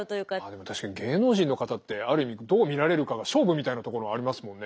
でも確かに芸能人の方ってある意味どう見られるかが勝負みたいなところはありますもんね。